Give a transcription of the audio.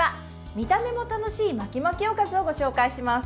見た目も楽しい巻き巻きおかずをご紹介します。